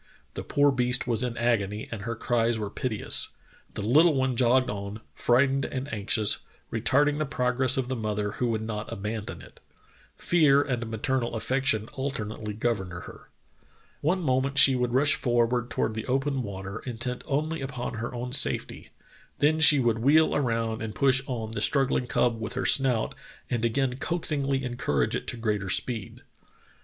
The poor beast was in agony and her cries were piteous. The little one jogged on, frightened and anxious, retarding the progress of the mother who would not abandon it. Fear and maternal affection alternately governed her. One moment she would rush forward toward the open water, intent only upon her own safety; then she would wheel around and push on the struggling cub with her snout and again coaxingly encourage it to greater speed.